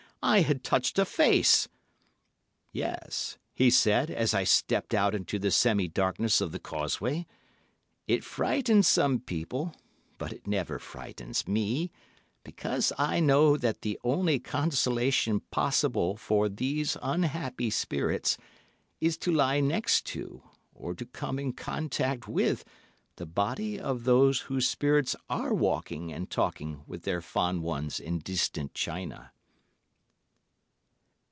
I had touched a face! "Yes," he said, as I stepped out into the semi darkness of the causeway, "it frightens some people, but it never frightens me, because I know that the only consolation possible for these unhappy spirits is to lie next to, or to come in contact with, the bodies of those whose spirits are walking and talking with their fond ones in distant China."